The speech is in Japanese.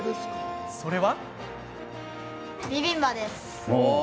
それは。